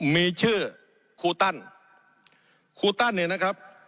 มีชื่อครูตั้นครูตั้นเนี่ยนะครับ